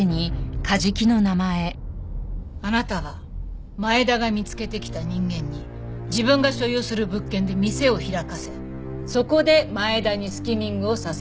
あなたは前田が見つけてきた人間に自分が所有する物件で店を開かせそこで前田にスキミングをさせていた。